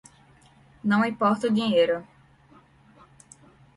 Não importa o dinheiro.